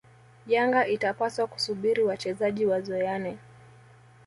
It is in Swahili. Yanga itapaswa kusubiri wachezaji wazoeane